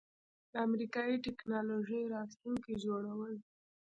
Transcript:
د امریکایی ټیکنالوژۍ راتلونکی جوړول